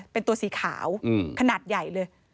เป็นตัวสีขาวขนาดใหญ่เลย